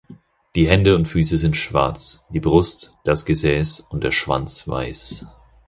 Die Hände und Füße sind schwarz, die Brust, das Gesäß und der Schwanz weiß.